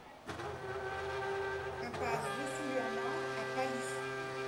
Impasse Dessous l'Urmois à Pasly